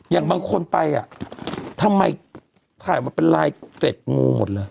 อย่างบางคนไปอ่ะทำไมถ่ายมาเป็นลายเกร็ดงูหมดเลย